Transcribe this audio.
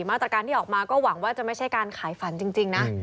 มาตรการที่ออกมาก็หวังว่าจะไม่ใช่การขายฝันจริงนะ